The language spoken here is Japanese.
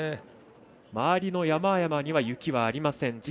周りの山々には雪はありません。